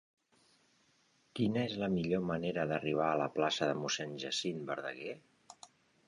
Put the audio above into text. Quina és la millor manera d'arribar a la plaça de Mossèn Jacint Verdaguer?